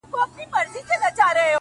o د گل خندا ـ